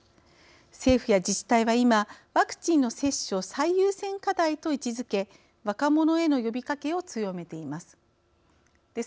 政府や自治体は今ワクチンの接種を最優先課題と位置づけ若者への呼びかけを強めています。